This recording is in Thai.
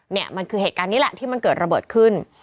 เนี่ยมันคือเหตุการณ์นี้แหละที่มันเกิดระเบิดขึ้น